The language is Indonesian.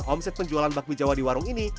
omset penjualan bakmi jawa di warung ini